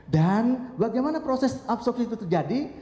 dan bagaimana proses absorpsi itu terjadi